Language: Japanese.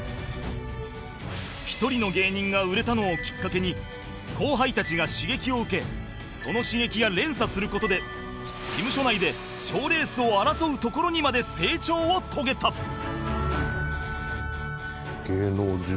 １人の芸人が売れたのをきっかけに後輩たちが刺激を受けその刺激が連鎖する事で事務所内で賞レースを争うところにまで成長を遂げただから。